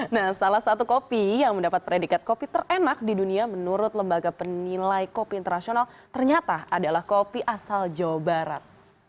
nah salah satu kopi yang mendapat predikat kopi terenak di dunia menurut lembaga penilai kopi internasional ternyata adalah kopi asal jawa barat